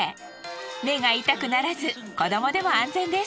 目が痛くならず子どもでも安全です。